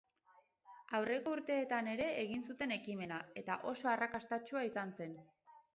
Aurreko urteetan ere egin zuten ekimena, eta oso arrakastatsua izan zen.